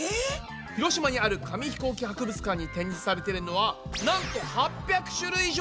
広島にある紙ヒコーキ博物館に展示されてるのはなんと８００種類以上！